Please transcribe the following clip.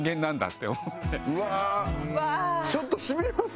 ちょっとしびれますね。